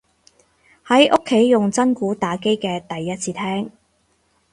喺屋企用真鼓打機嘅第一次聽